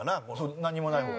何もない方が。